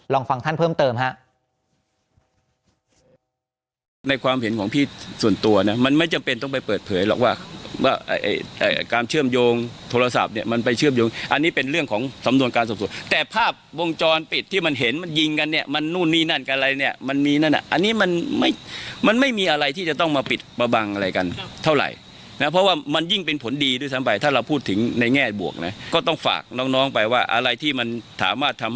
ลองฟังท่านเพิ่มเติมฮะ